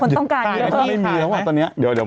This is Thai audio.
คนต้องการเยอะไม่มีแล้วว่ะตอนนี้เดี๋ยวมาให้